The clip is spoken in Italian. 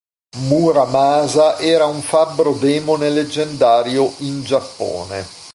Muramasa era un fabbro demone leggendario in Giappone.